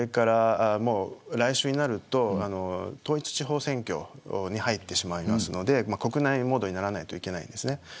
来週になると統一地方選挙に入ってしまいますので国内モードにならないといけません。